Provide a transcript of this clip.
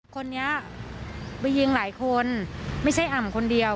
คนนี้ไปยิงหลายคนไม่ใช่อ่ำคนเดียว